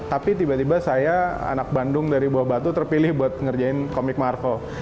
tapi tiba tiba saya anak bandung dari bawah batu terpilih buat ngerjain komik marvel